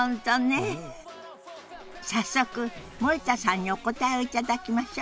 早速森田さんにお答えを頂きましょ。